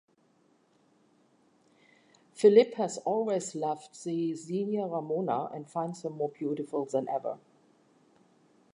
Felipe has always loved the senior Ramona and finds her more beautiful than ever.